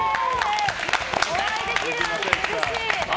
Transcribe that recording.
お会いできるなんて嬉しい！